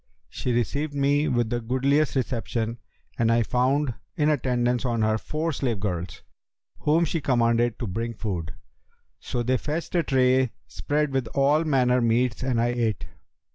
She received me with the goodliest reception and I found in attendance on her four slave girls, whom she commanded to bring food. So they fetched a tray spread with all manner meats, and I ate.